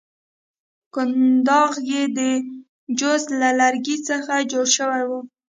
کنداغ یې د جوز له لرګي څخه جوړ شوی وو.